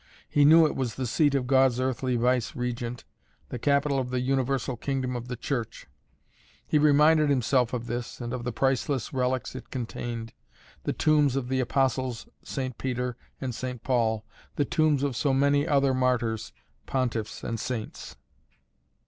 He knew it was the seat of God's earthly Vice regent, the capital of the universal kingdom of the Church. He reminded himself of this and of the priceless relics it contained, the tombs of the Apostles St. Peter and St. Paul, the tombs of so many other martyrs, pontiffs and saints.